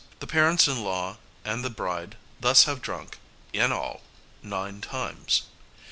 The parents in law and the bride thus have drunk in all nine times.